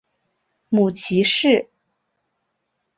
母齐氏。